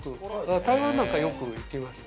台湾なんかよく行きました。